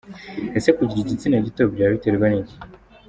Ese kugira igitsina gito byaba biterwa n’iki ?.